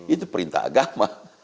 itu perintah agama